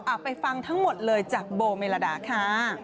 ไปฟังทั้งหมดเลยจากโบเมลดาค่ะ